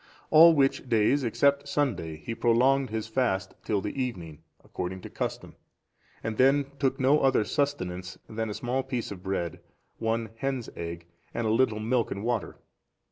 All which days, except Sundays, he prolonged his fast till the evening, according to custom, and then took no other sustenance than a small piece of bread, one hen's egg, and a little milk and water.